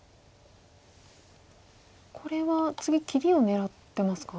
これは次切りを狙ってますか？